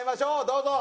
どうぞ！